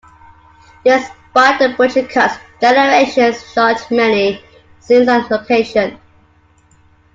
Despite the budget cuts, "Generations" shot many scenes on location.